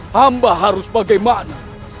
hamba harus bagaimana